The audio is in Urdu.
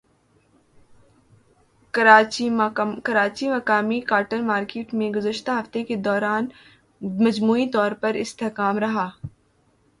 کراچیمقامی کاٹن مارکیٹ میں گزشتہ ہفتے کے دوران مجموعی طور پر استحکام رہا